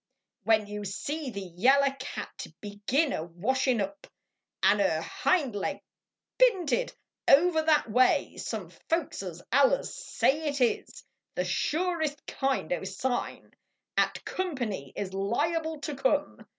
When you see the yaller cat begin a washin up, An er hind leg pinted over that way, some Folkses allers say it is The surest kind o sign At company is liable to come.